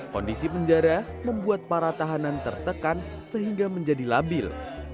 kondisi penjara membuat para tahanan tertekan sehingga menjadi labil